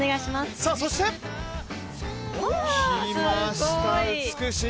そして、きました、美しい。